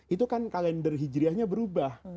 itu kan kalender hijriahnya berubah